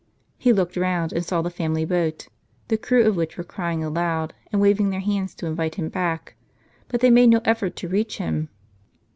He looked round and saw the family boat, the crew of which were crying aloud, and waving their hands to invite him back ; but they made no effort to reach him.